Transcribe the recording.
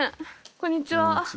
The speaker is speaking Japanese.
こんにちは。